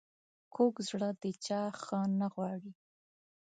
کوږ زړه د چا ښه نه غواړي